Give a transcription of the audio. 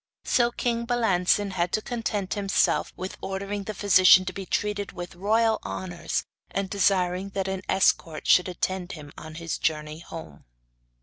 So king Balancin had to content himself with ordering the physician to be treated with royal honours, and desiring that an escort should attend him on his journey home.